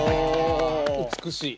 美しい！